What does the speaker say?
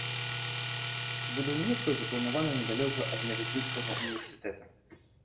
Будаўніцтва запланавана недалёка ад медыцынскага універсітэта.